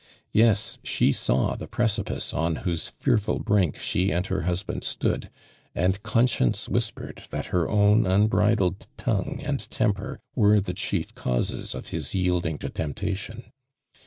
Yes, she saw the precipice on whose fearful brink she and her husband stood, and conscience whispered that her own unbridled tongue and temper were the chief causes of his yielding to temptation.